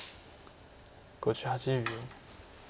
５８秒。